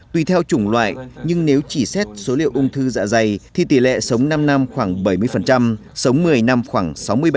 tùy theo chủng loại nhưng nếu chỉ xét số liệu ung thư dạ dày thì tỷ lệ sống năm năm khoảng bảy mươi sống một mươi năm khoảng sáu mươi ba